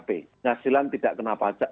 penghasilan tidak kena pajak